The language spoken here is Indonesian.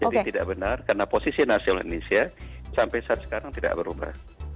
jadi tidak benar karena posisi nasional indonesia sampai saat sekarang tidak berubah